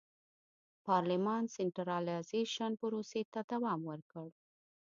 پارلمان سنټرالیزېشن پروسې ته دوام ورکړ.